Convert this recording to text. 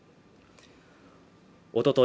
おととい